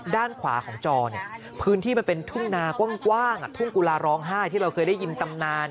ด้านขวาของจอเนี่ยพื้นที่มันเป็นทุ่งนากว้างทุ่งกุลาร้องไห้ที่เราเคยได้ยินตำนาน